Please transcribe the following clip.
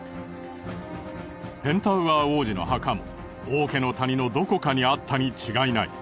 ペンタウアー王子の墓も王家の谷のどこかにあったに違いない。